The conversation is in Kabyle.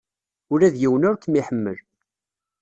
Ula d yiwen ur kem-iḥemmel.